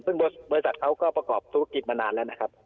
ซึ่งบริษัทเขาก็ประกอบธุรกิจมานานแล้วนะครับ